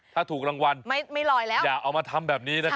ถ้าถูกรางวัลอย่าเอามาทำแบบนี้นะครับ